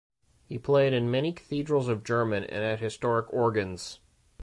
He played in many cathedrals of German and at historic organs.